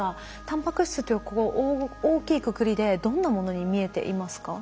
タンパク質という大きいくくりでどんなものに見えていますか？